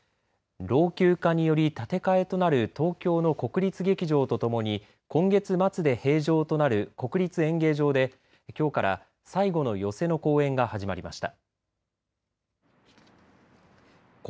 老朽化により建て替えとなる東京の国立劇場とともに今月末で閉場となる国立演芸場できょうから最後の寄席の公演が始まりました。